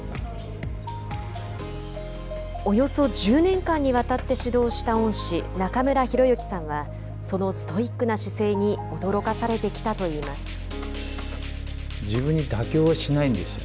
およそ１０年間にわたって指導した恩師、中村宏之さんはそのストイックな姿勢に驚かされてきたと言います。